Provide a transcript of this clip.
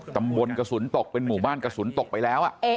กระสุนตกเป็นหมู่บ้านกระสุนตกไปแล้ว